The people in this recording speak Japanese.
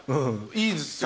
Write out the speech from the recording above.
いいっすよ。